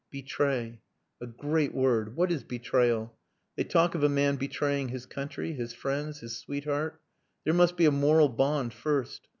"Betray. A great word. What is betrayal? They talk of a man betraying his country, his friends, his sweetheart. There must be a moral bond first.